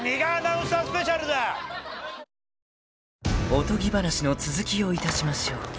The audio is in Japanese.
［おとぎ話の続きをいたしましょう］